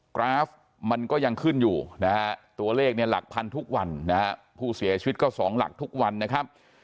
กราฟมันก็ยังขึ้นอยู่นะฮะตัวเลขเนี่ยหลักพันทุกวันนะฮะผู้เสียชีวิตก็๒หลักทุกวันนะครับ